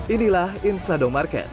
inilah insadong market